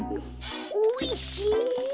おいしい。